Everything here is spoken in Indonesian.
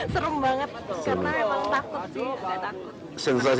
serem banget karena emang takut sih nggak takut